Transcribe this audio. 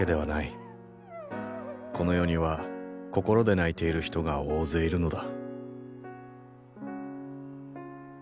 この世には心で泣いている人が大勢いるのだ。